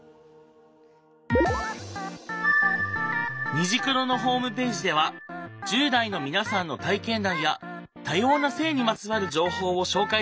「虹クロ」のホームページでは１０代の皆さんの体験談や多様な性にまつわる情報を紹介しているよ。